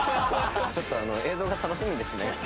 ちょっと映像が楽しみですね。